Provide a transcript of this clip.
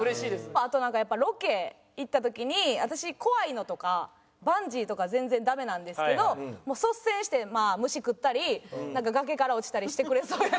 あとなんかやっぱロケ行った時に私怖いのとかバンジーとか全然ダメなんですけどもう率先して虫食ったりなんか崖から落ちたりしてくれそうやなっていう。